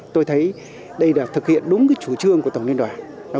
tôi thấy đây là thực hiện đúng chủ trương của tổng liên đoàn